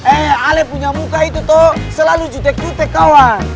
eh ale punya muka itu toh selalu cutek jutek kawan